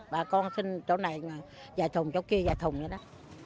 bà con sinh chỗ này và chỗ kia vài thùng vậy đó